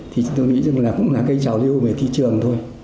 thì tôi nghĩ rằng là cũng là cây trào lưu về thị trường thôi